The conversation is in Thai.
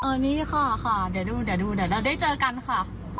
เออนี่ค่ะค่ะเดี๋ยวดูเราได้เจอกันค่ะ